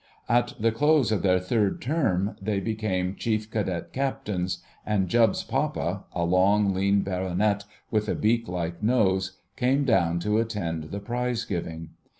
At the close of their third term they became Chief Cadet Captains, and Jubbs' papa, a long, lean baronet with a beak like nose, came down to attend the prize giving.